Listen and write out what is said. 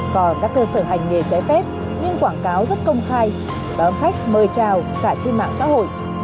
còn các cơ sở hành nghề trái phép những quảng cáo rất công khai báo khách mời chào cả trên mạng xã hội